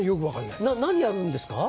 何やるんですか？